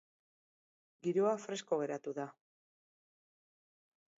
Giroa fresko geratuko da.